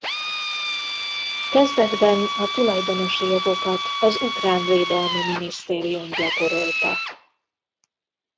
Kezdetben a tulajdonosi jogokat az Ukrán Védelmi Minisztérium gyakorolta.